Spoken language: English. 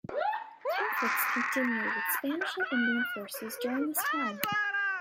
Conflicts continued with Spanish and Indian forces during this time.